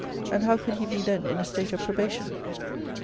And how could he be then in a state of probation?